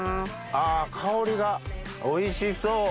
あ香りがおいしそう。